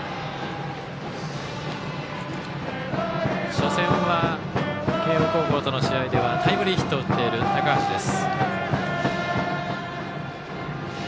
初戦は慶応高校との試合ではタイムリーヒットを打っている高橋です。